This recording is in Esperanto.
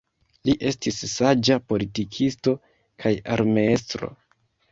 Li estis saĝa politikisto kaj armeestro.